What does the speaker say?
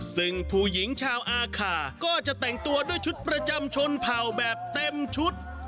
ซึ่งผู้หญิงชาวอาคาก็จะแต่งตัวด้วยชุดประจำชนเผ่าแบบเต็มชุด